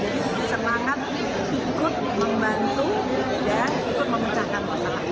jadi semangat ikut membantu dan ikut memencahkan masalah